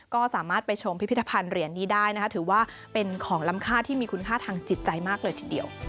ก็สามารถไปชมพิพิธภัณฑ์เหรียญนี้ได้นะคะถือว่าเป็นของล้ำค่าที่มีคุณค่าทางจิตใจมากเลยทีเดียว